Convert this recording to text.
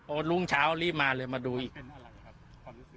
โอ้รุ่งเช้ารีบมาเลยมาดูอีก